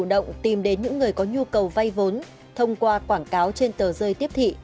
động tìm đến những người có nhu cầu vay vốn thông qua quảng cáo trên tờ rơi tiếp thị